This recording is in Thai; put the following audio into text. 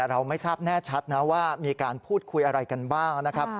เราไม่ทราบแน่ชัดนะว่ามีการพูดคุยอะไรกันบ้างนะครับ